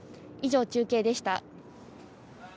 以上、中継でした。